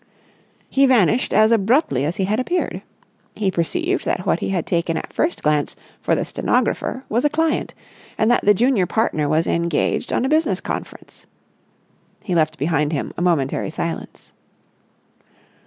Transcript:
He vanished as abruptly as he had appeared. He perceived that what he had taken at first glance for the stenographer was a client, and that the junior partner was engaged on a business conference. He left behind him a momentary silence.